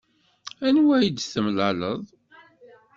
Anwa i d-temlaleḍ?